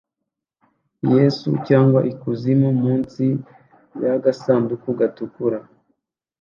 Yesu cyangwa Ikuzimu" munsi yagasanduku gatukura